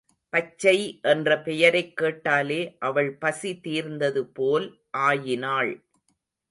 பச்சை என்ற பெயரைக் கேட்டாலே அவள் பசி தீர்ந்தது போல் ஆயினாள்.